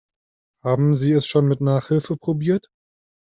Haben Sie es schon mit Nachhilfe probiert?